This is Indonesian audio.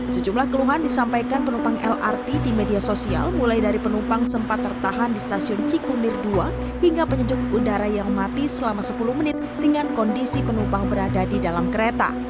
sejumlah keluhan disampaikan penumpang lrt di media sosial mulai dari penumpang sempat tertahan di stasiun cikunir dua hingga penyejuk udara yang mati selama sepuluh menit dengan kondisi penumpang berada di dalam kereta